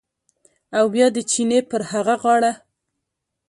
او بیا د چینې پر هغه غاړه